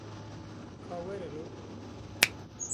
Ka were lo